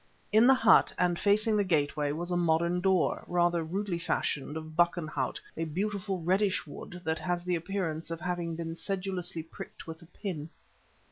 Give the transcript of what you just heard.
In the hut, and facing the gateway, was a modern door, rather rudely fashioned of Buckenhout, a beautiful reddish wood that has the appearance of having been sedulously pricked with a pin.